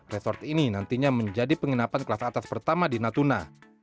resort ini nantinya menjadi penginapan kelas atas pertama di natuna